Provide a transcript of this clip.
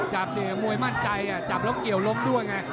จับเนี่ยมวยมั่นใจจับแล้วเกี่ยวล้มด้วยไง